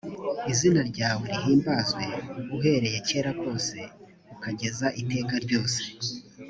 izina ryawe rihimbazwe uhereye kera kose ukageza iteka ryose